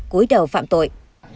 cuối đầu phạm tội